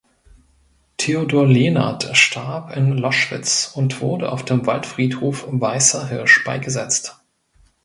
Theodor Lehnert starb in Loschwitz und wurde auf dem Waldfriedhof Weißer Hirsch beigesetzt.